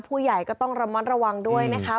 ผู้ใหญ่ก็ต้องระมัดระวังด้วยนะคะ